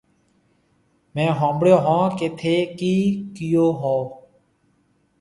ميه هونبڙون هون ڪيَ ٿَي ڪِي ڪَيو هون۔